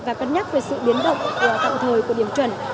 và cân nhắc về sự biến động tạm thời của điểm chuẩn